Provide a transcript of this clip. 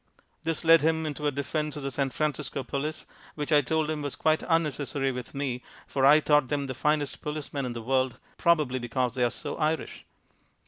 This led him into a defense of the San Francisco police, which I told him was quite unnecessary with me for I thought them the finest policemen in the world, probably because they are so Irish.